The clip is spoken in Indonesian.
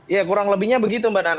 ya kurang lebihnya begitu mbak nana